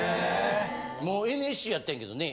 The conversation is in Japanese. もうＮＳＣやってんけどね